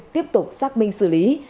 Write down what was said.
tiếp tục xác minh xử lý